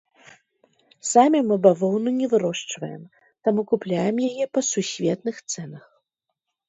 Самі мы бавоўну не вырошчваем, таму купляем яе па сусветных цэнах.